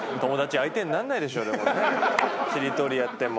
しりとりやっても。